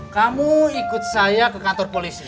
kamu ikut saya ke kantor polisi